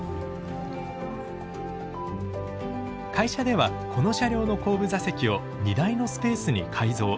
会社ではこの車両の後部座席を荷台のスペースに改造。